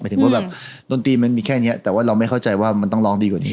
ถึงว่าแบบดนตรีมันมีแค่นี้แต่ว่าเราไม่เข้าใจว่ามันต้องร้องดีกว่านี้